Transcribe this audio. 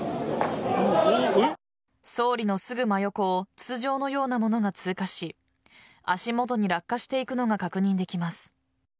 総理のすぐ真横を筒状のようなものが通過し足元に落下していくのが確認できます。